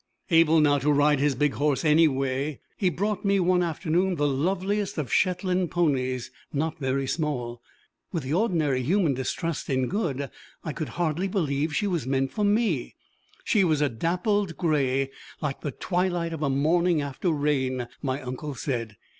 Able now to ride his big horse any way, he brought me one afternoon the loveliest of Shetland ponies, not very small. With the ordinary human distrust in good, I could hardly believe she was meant for me. She was a dappled gray like the twilight of a morning after rain, my uncle said.